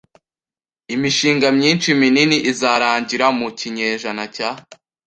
Imishinga myinshi minini izarangira mu kinyejana cya